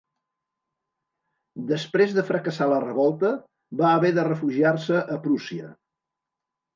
Després de fracassar la revolta, va haver de refugiar-se a Prússia.